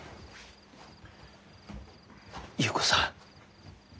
優子さん